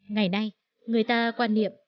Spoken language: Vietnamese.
ngày nay người ta quan niệm